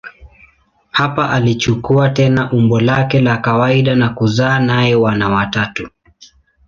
Hapa alichukua tena umbo lake la kawaida na kuzaa naye wana watatu.